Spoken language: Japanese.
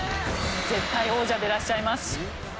絶対王者でいらっしゃいます。